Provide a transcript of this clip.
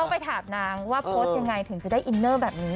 ไปถามนางว่าโพสต์ยังไงถึงจะได้อินเนอร์แบบนี้